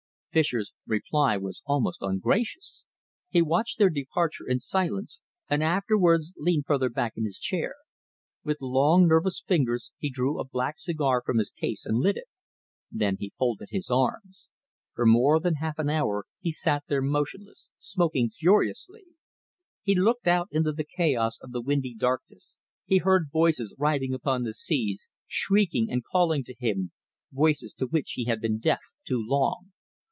Fischer's reply was almost ungracious. He watched their departure in silence, and afterwards leaned further back in his chair. With long, nervous fingers he drew a black cigar from his case and lit it. Then he folded his arms. For more than half an hour he sat there motionless, smoking furiously. He looked out into the chaos of the windy darkness, he heard voices riding upon the seas, shrieking and calling to him, voices to which he had been deaf too long.